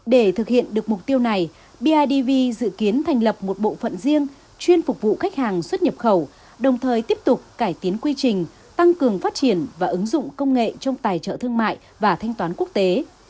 để thực hiện được mục tiêu này bidv dự kiến thành lập một bộ phận riêng chuyên phục vụ khách hàng xuất nhập khẩu đồng thời tiếp tục cải tiến quy trình tăng cường phát triển và ứng dụng công nghệ trong tài trợ thương mại và thanh toán quốc tế